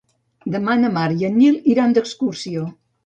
Demà na Mar i en Nil iran d'excursió.